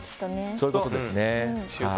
そういうことですね。